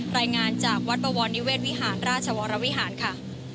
รายงานจากวัดบวรนิเวศวิหารราชวรวิหารค่ะ